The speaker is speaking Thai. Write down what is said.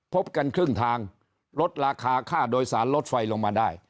พบกันครึ่งทางลดราคาค่าโดยสารลดไฟลงมาได้